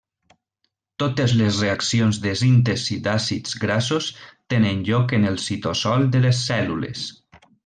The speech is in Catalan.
Totes les reaccions de síntesi d'àcids grassos tenen lloc en el citosol de les cèl·lules.